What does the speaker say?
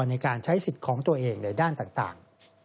ในการใช้สิทธิ์ของตัวเองในด้านต่าง